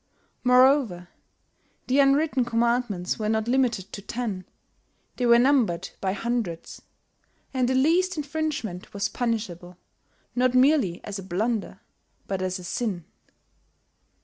Moreover the unwritten commandments were not limited to ten; they were numbered by hundreds, and the least infringement was punishable, not merely as a blunder, but as a sin.